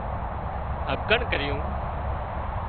هٻڪڻ ڪرِيون